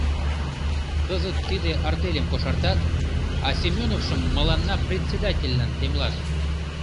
Кызыт тиде артельым кошартат, а Семеновшым мыланна председательлан темлат.